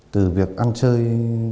từ việc ăn chơi